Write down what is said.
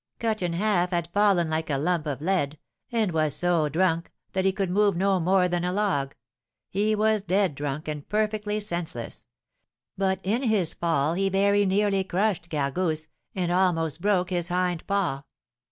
Cut in Half had fallen like a lump of lead, and was so drunk that he could move no more than a log, he was dead drunk and perfectly senseless; but in his fall he very nearly crushed Gargousse, and almost broke his hind paw.